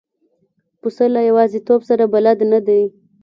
پسه له یوازیتوب سره بلد نه دی.